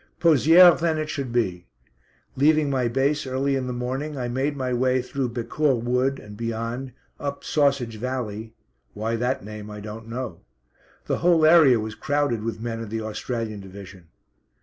Pozières then it should be. Leaving my base early in the morning I made my way through Becourt Wood and beyond, up "Sausage Valley" why that name I don't know. The whole area was crowded with men of the Australian division.